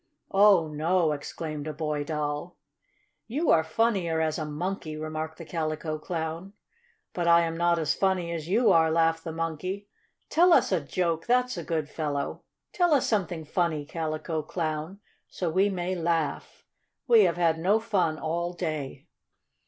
"Oh, no!" exclaimed a Boy Doll. "You are funnier as a Monkey," remarked the Calico Clown. "But I am not as funny as you are," laughed the Monkey. "Tell us a joke, that's a good fellow! Tell us something funny, Calico Clown, so we may laugh. We have had no fun all day."